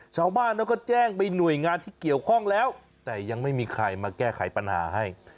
ชาวบ้านเขาก็แจ้งไปหน่วยงานที่เกี่ยวข้องแล้วแต่ยังไม่มีใครมาแก้ไขปัญหาให้